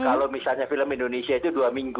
kalau misalnya film indonesia itu dua minggu